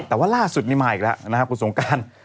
แต่ว่าล่าสุดนี้มาอีกแล้วนะครับคุณสงการ